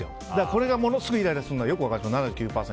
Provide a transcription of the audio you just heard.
これがものすごいイライラするのはよく分かります。